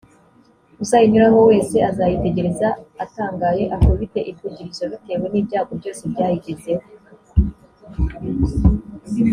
uzayinyuraho wese azayitegereza atangaye akubite ik ugirizo bitewe n ibyago byose byayigezeho